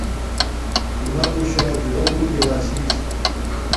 چُنݳکُشݳ جُدݳ بݸت اِرݳ چھݵسَکݳ.